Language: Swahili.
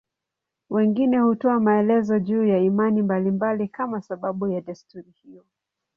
Wengine hutoa maelezo juu ya imani mbalimbali kama sababu ya desturi hiyo.